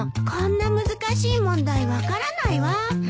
こんな難しい問題分からないわ。